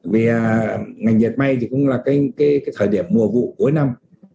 vì ngành dệt may thì cũng là cái thời điểm mùa vụ cuối năm